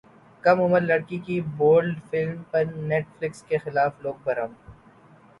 کم عمر لڑکی کی بولڈ فلم پر نیٹ فلیکس کے خلاف لوگ برہم